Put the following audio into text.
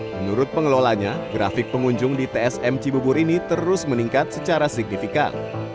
menurut pengelolanya grafik pengunjung di tsm cibubur ini terus meningkat secara signifikan